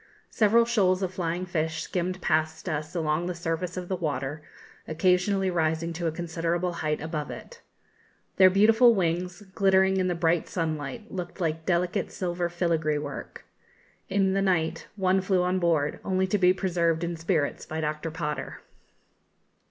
Several shoals of flying fish skimmed past us along the surface of the water, occasionally rising to a considerable height above it. Their beautiful wings, glittering in the bright sunlight, looked like delicate silver filigree work. In the night one flew on board, only to be preserved in spirits by Dr. Potter.